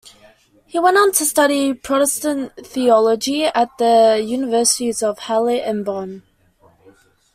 He went on to study Protestant theology at the universities of Halle and Bonn.